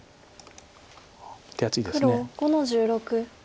手厚いです。